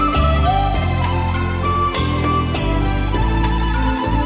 โชว์สี่ภาคจากอัลคาซ่าครับ